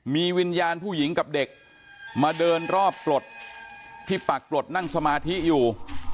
มีวิญญาณผู้หญิงกับเด็กมาเดินรอบปลดที่ปรากฏนั่งสมาธิอยู่